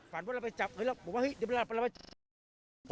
ฝันว่าเราไปจับเดี๋ยวเราไปจับ